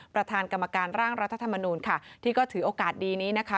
ประธานกรรมการร่างรัฐธรรมนูลค่ะที่ก็ถือโอกาสดีนี้นะคะ